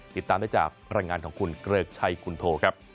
ติดตามได้จากรายงานของคุณเกริกชัยคุณโทครับ